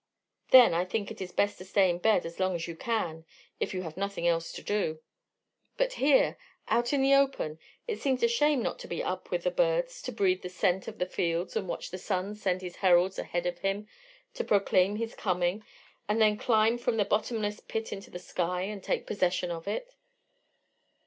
Then I think it is best to stay in bed as long as you can if you have nothing else to do. But here, out in the open, it seems a shame not to be up with the birds to breathe the scent of the fields and watch the sun send his heralds ahead of him to proclaim his coming and then climb from the bottomless pit into the sky and take possession of it."